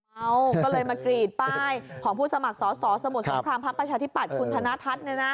ก็เลยมากรีดป้ายของผู้สมัครสอสสมุทรสมพรางพระประชาธิบัติคุณธนทัศน์